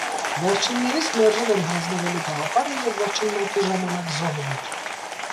Վերջիններիս մերժել են հանձնվելու գաղափարը և վերջին մարտի ժամանակ զոհվել։